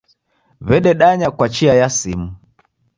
W'ededanya kwa chia ya simu.